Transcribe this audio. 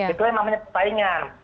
itulah yang namanya persaingan